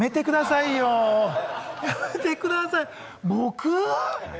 やめてくださいよ。